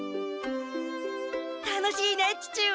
楽しいね父上！